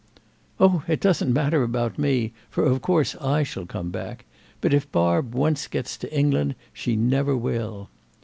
"Oh it doesn't matter about me, for of course I shall come back; but if Barb once gets to England she never will."